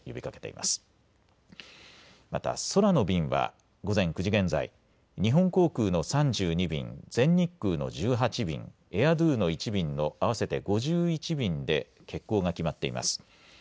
また空の便は午前９時現在、日本航空の３２便、全日空の１８便、エア・ドゥの１便の合わせて５１便で欠航が決まっています。